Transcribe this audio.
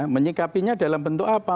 menyikapinya dalam bentuk apa